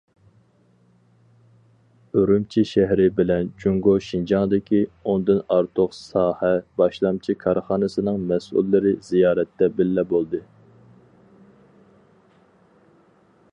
ئۈرۈمچى شەھىرى بىلەن جۇڭگو شىنجاڭدىكى ئوندىن ئارتۇق ساھە باشلامچى كارخانىسىنىڭ مەسئۇللىرى زىيارەتتە بىللە بولدى.